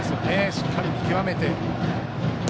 しっかり見極めて。